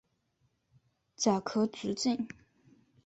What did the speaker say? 甲壳直径。